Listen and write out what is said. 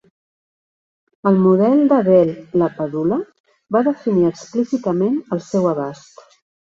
El model de Bell-LaPadula va definir explícitament el seu abast.